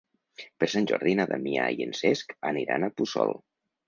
Per Sant Jordi na Damià i en Cesc aniran a Puçol.